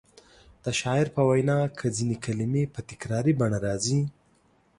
د شاعر په وینا کې ځینې کلمې په تکراري بڼه راځي.